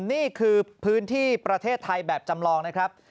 นี่คือพื้นที่ประเทศไทยแบบจำลองนะครับ